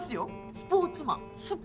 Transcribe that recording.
スポーツマン。